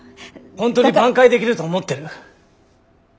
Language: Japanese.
ホントに挽回できると思ってる？